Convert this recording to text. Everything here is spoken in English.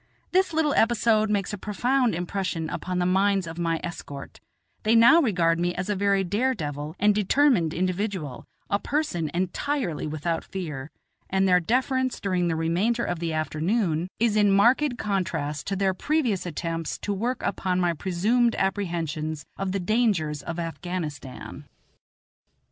This little episode makes a profound impression upon the minds of my escort; they now regard me as a very dare devil and determined individual, a person entirely without fear, and their deference during the remainder of the afternoon is in marked contrast to their previous attempts to work upon my presumed apprehensions of the dangers of Afghanistan.